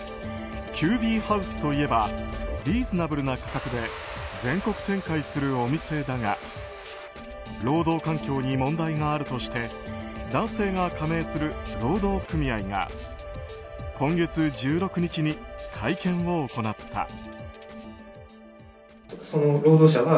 ＱＢＨＯＵＳＥといえばリーズナブルな価格で全国展開するお店だが労働環境に問題があるとして男性が加盟する労働組合が今月１６日に会見を行った。